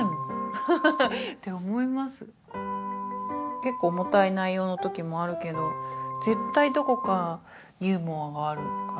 結構重たい内容の時もあるけど絶対どこかユーモアがあるから。